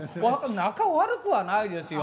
仲悪くはないですよ。